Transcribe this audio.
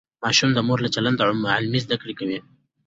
ماشوم د مور له چلند عملي زده کړه کوي.